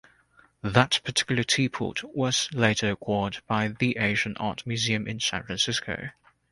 That particular teapot was later acquired by the Asian Art Museum in San Francisco.